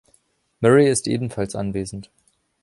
Murray ist ebenfalls anwesend.